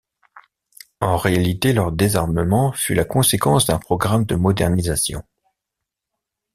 En réalité leur désarmement fut la conséquence d'un programme de modernisation.